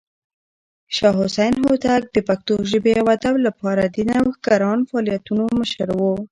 شاه حسين هوتک د پښتو ژبې او ادب لپاره د نوښتګران فعالیتونو مشر و.